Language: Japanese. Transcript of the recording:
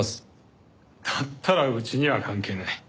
だったらうちには関係ない。